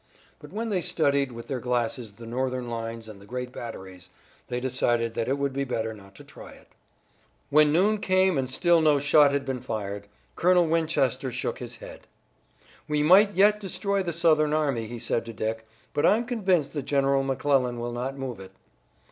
But when they studied with their glasses the Northern lines and the great batteries, they decided that it would be better not to try it. When noon came and still no shot had been fired, Colonel Winchester shook his head. "We might yet destroy the Southern army," he said to Dick, "but I'm convinced that General McClellan will not move it."